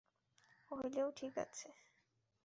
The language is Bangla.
হইলেও ঠিক আছে।